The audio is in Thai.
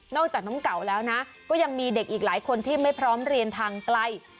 จากน้องเก่าแล้วนะก็ยังมีเด็กอีกหลายคนที่ไม่พร้อมเรียนทางไกล